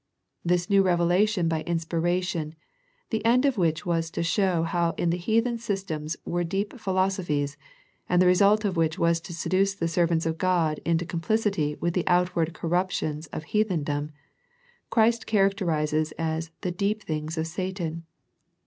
This new revelation by inspiration, the end of which was to show how in the heathen systems were deep philosophies, and the result of which was to seduce the servants of God into com plicity with the outward corruptions of heath endom, Christ characterizes as the " deep things of Satan."